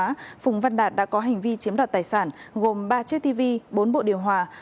phùng văn đạt đã có hành vi chiếm đoạt tài sản gồm ba chiếc tv bốn bộ điều hòa